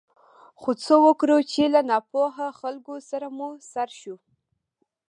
خو څه وکړو چې له ناپوهه خلکو سره مو سر شوی.